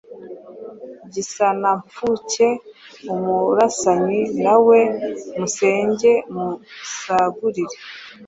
Gisana-mpfuke umurasanyi, Na we musenge musagurire